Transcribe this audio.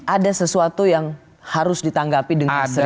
ada sesuatu yang harus ditanggapi dengan serius